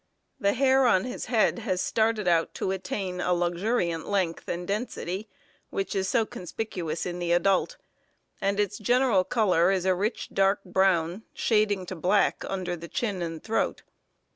The hair on the head has started out to attain the luxuriant length and density which is so conspicuous in the adult, and its general color is a rich dark brown, shading to black under the chin and throat.